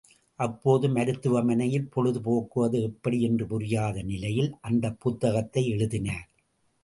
அப்போது மருத்துவமனையில் பொழுது போக்குவது எப்படி என்று புரியாத நிலையில் அந்தப் புத்தகத்தை எழுதினார்.